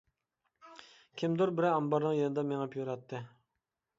كىمدۇر بىرى ئامبارنىڭ يېنىدا مېڭىپ يۈرەتتى.